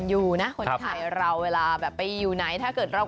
ขอบคุณครับขอบคุณครับขอบคุณครับขอบคุณครับ